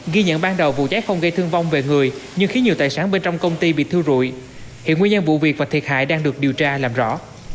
ghi nhận ban đầu vụ cháy không gây thương vong về người nhưng khiến nhiều tài sản bên trong công ty bị thiêu rụi hiện nguyên nhân vụ việc và thiệt hại đang được điều tra làm rõ